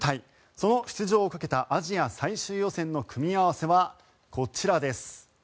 その出場をかけたアジア最終予選の組み合わせはこちらです。